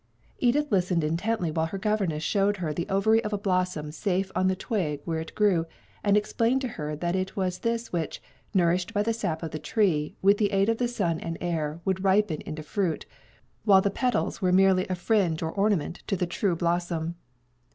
Edith listened intently while her governess showed her the ovary of a blossom safe on the twig where it grew, and explained to her that it was this which, nourished by the sap of the tree, with the aid of the sun and air, would ripen into fruit, while the petals were merely a fringe or ornament to the true blossom.